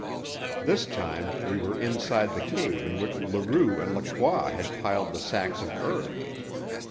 This time we were inside the cave in which Leroux and Lacroix had piled the sacks of earth.